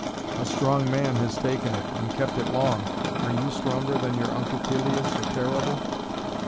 "A strong man has taken it and kept it long. Are you stronger than your uncle Pelias the Terrible?"